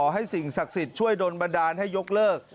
สิ่งศักดิ์สิทธิ์ช่วยโดนบันดาลให้ยกเลิก